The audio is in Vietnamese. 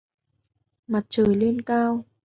Mặt trời lên cao